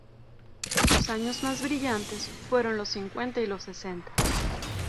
Sus años más brillantes fueron los cincuenta y los sesenta.